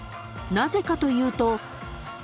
［なぜかというと］